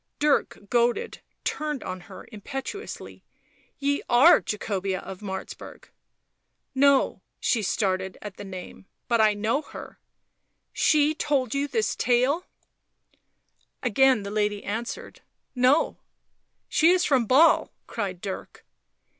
Dirk goaded, turned on her impetuously. " Ye are Jacobea of Martzburg "" No "— she started at the name. " But I know her "" She told you this tale " Again the lady answered :" No." " She is from Basle," cried Dirk.